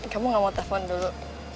kamu gak mau telepon dulu